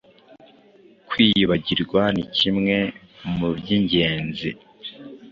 kwiyibagirwa ni kimwe mu by’ingenzi.